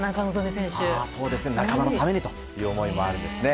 仲間のためにという思いもあるんですね。